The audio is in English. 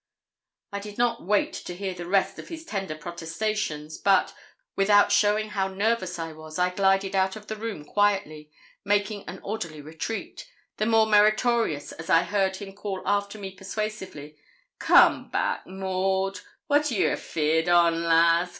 I did not wait to hear the rest of his tender protestations, but, without showing how nervous I was, I glided out of the room quietly, making an orderly retreat, the more meritorious as I heard him call after me persuasively 'Come back, Maud. What are ye afeard on, lass?